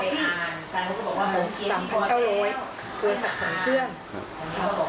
๓๙๐๐บาทเขาสักสามเพื่อน